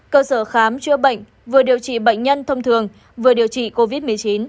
cơ sở khám chữa bệnh vừa điều trị bệnh nhân thông thường vừa điều trị covid một mươi chín